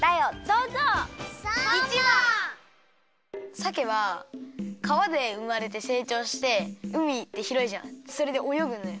さけはかわでうまれてせいちょうしてうみってひろいじゃんそれでおよぐのよ。